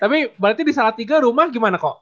tapi berarti di salah tiga rumah gimana ko